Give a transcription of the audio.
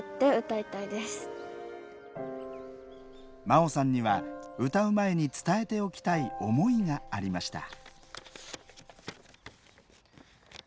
真桜さんには、歌う前に伝えておきたい思いがありました。